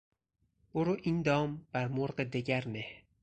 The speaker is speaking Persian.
برو این دام بر مرغ دگر نه